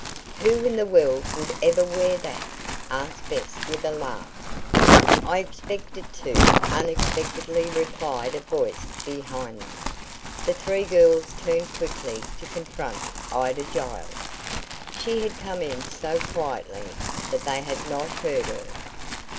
"Who in the world would ever wear that?" asked Bess with a laugh. "I expected to," unexpectedly replied a voice behind them. The three girls turned quickly to confront Ida Giles. She had come in so quietly that they had not heard her.